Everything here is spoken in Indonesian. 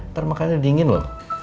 ntar makannya dingin lo